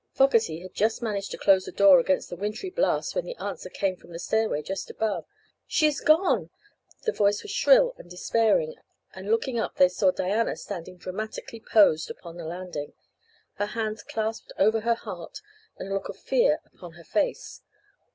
Fogerty had just managed to close the door against the wintry blast when the answer came from the stairway just above: "She is gone!" The voice was shrill and despairing, and looking up they saw Diana standing dramatically posed upon the landing, her hands clasped over her heart and a look of fear upon her face.